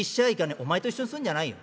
「お前と一緒にすんじゃないよ。